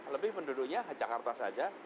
lebih penduduknya jakarta saja